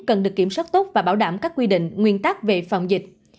cần được kiểm soát tốt và bảo đảm các quy định nguyên tắc về phòng dịch